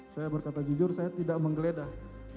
saya berkata jujur saya tidak menggeledah